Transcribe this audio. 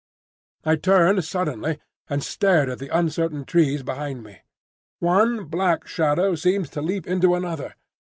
I turned suddenly, and stared at the uncertain trees behind me. One black shadow seemed to leap into another.